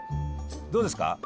どうですか？